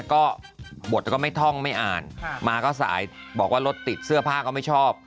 ก็บทก็ไม่ท่องไม่อ่านมาก็สายบอกว่ารถติดเสื้อผ้าก็ไม่ชอบ